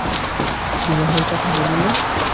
বিবাহের কথা বলিলে?